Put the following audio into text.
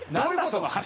その話。